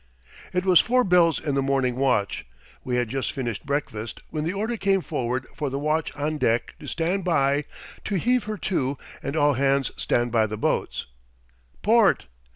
It was four bells in the morning watch. We had just finished breakfast when the order came forward for the watch on deck to stand by to heave her to and all hands stand by the boats. "Port!